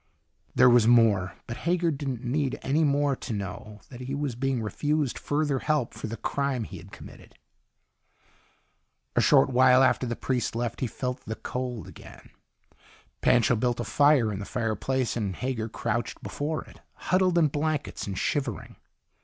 There was more. But Hager didn't need any more to know that he was being refused further help for the crime he had committed. A short while after the priest left he felt the cold again. Pancho built a fire in the fireplace, and Hager crouched before it, huddled in blankets and shivering.